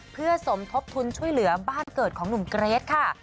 เพื่อสมทบทุนช่วยเหลือบ้านเกิดของหนุ่มเกรทค่ะ